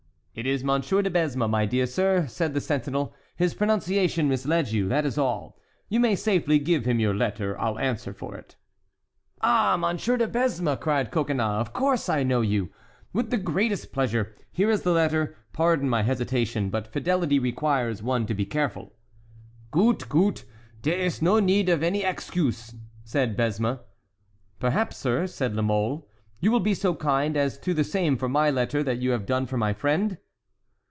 "It is Monsieur de Besme, my dear sir," said the sentinel. "His pronunciation misled you, that is all; you may safely give him your letter, I'll answer for it." "Ah! Monsieur de Besme!" cried Coconnas; "of course I know you! with the greatest pleasure. Here is the letter. Pardon my hesitation; but fidelity requires one to be careful." "Goot, goot! dere iss no need of any egscuse," said Besme. "Perhaps, sir," said La Mole, "you will be so kind as to the same for my letter that you have done for my friend?"